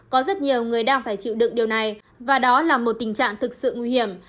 có rất nhiều người đang phải chịu đựng điều này và đó là một tình trạng thực sự nguy hiểm